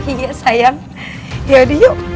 iya sayang yaudah yuk